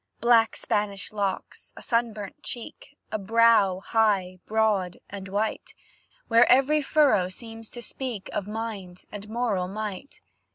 Black Spanish locks, a sunburnt cheek A brow high, broad, and white, Where every furrow seems to speak Of mind and moral might.